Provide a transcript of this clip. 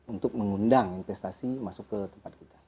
untuk mengundang investasi masuk ke tempat kita